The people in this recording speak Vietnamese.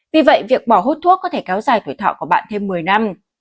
vì vậy việc bỏ hút thuốc có thể kéo dài tuổi thọ của bạn thêm một mươi năm